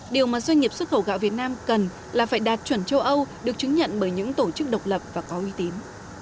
điều mà doanh nghiệp xuất khẩu gạo việt nam cần là phải đạt chuẩn châu âu được chứng nhận bởi những tổ chức độc lập và có uy tín